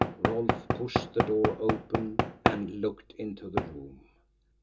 Rolfe pushed the door open, and looked into the room.